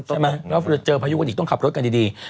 ใช่ไหมแล้วเจอพายุกันอีกต้องขับรถกันดี